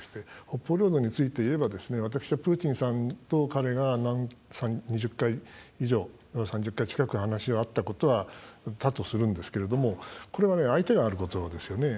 北方領土について言えば私はプーチンさんと彼が２０回以上３０回近く話し合ったことは多とするんですけれどもこれは、相手があることですよね。